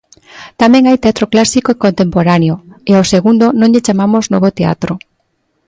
Tamén hai teatro clásico e contemporáneo e ao segundo non lle chamamos novo teatro.